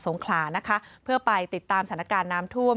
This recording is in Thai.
งขลานะคะเพื่อไปติดตามสถานการณ์น้ำท่วม